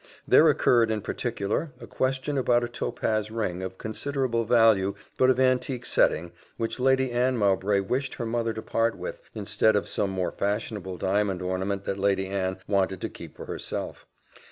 There occurred, in particular, a question about a topaz ring, of considerable value, but of antique setting, which Lady Anne Mowbray wished her mother to part with, instead of some more fashionable diamond ornament that Lady Anne wanted to keep for herself.